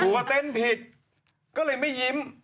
ว่าเต้นผิดก็เลยไม่ยิ้ม